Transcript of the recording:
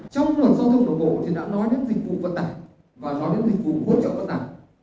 trong luận do thông đồng bộ thì đã nói đến dịch vụ vận tải và nói đến dịch vụ hỗ trợ vận tải